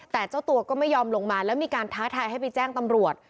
แต่เจ้าตัวก็ไม่ยอมลงมาแล้วมีการท้าทายให้ไปแจ้งตำรวจ